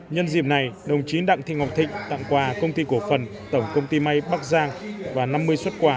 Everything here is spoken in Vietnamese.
nhân dịp này đồng chí đặng thị ngọc thịnh tặng quà công ty cổ phần tổng công ty may bắc giang và năm mươi xuất quà